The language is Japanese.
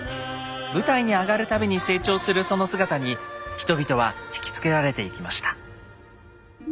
舞台に上がる度に成長するその姿に人々は惹きつけられていきました。